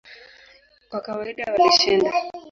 Kwa kawaida walishinda.